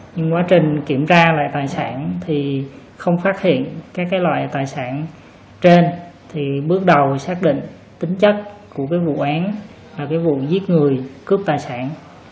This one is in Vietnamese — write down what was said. nhưng quá trình kiểm tra lại tài sản thì không phát hiện các loại tài sản trên thì bước đầu xác định tính chất của cái vụ án cái vụ giết người cướp tài sản